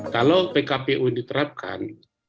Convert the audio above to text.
kalau pkpu diterapkan